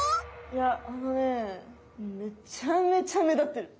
いやあのねめちゃめちゃ目立ってる。